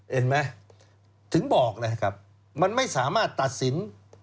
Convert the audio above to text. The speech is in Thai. เห็นไหมถึงบอกเลยครับมันไม่สามารถตัดสิน